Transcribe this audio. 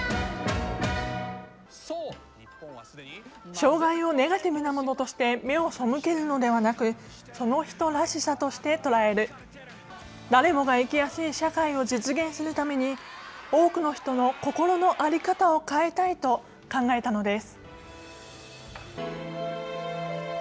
障害をネガティブなものとして目を背けるのではなく、その人らしさとして捉える、誰もが生きやすい社会を実現するために、多くの人の心の在り方を変えたいと考えたのです。